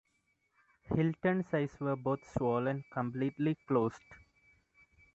Hilton's eyes were both swollen completely closed.